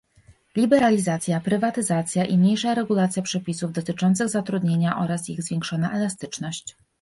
liberalizacja, prywatyzacja i mniejsza regulacja przepisów dotyczących zatrudnienia oraz ich zwiększona elastyczność